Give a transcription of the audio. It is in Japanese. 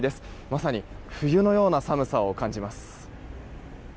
まさに冬のような寒さを感じます。